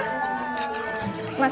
mas bawa dia mas